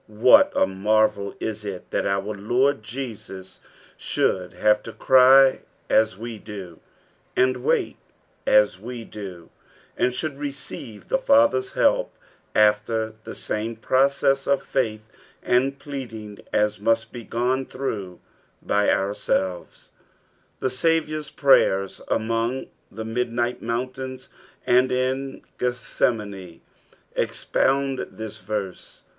What a marrel is it that our Lord Jesus should have to cry as we do, and wait as we do, uid should receive the Father's help after the same process of faith and pleading as must be gone throueh bj oureelvea I The Saviour's praj ers among the midnight mounttuns and in Oethsemane expound this verse.